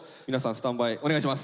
スタンバイお願いします。